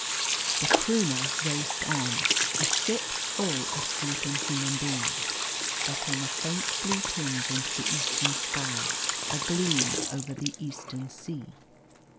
The Croonah raced on, a ship full of sleeping human beings. There came a faint blue tinge into the eastern sky, a gleam over the eastern sea.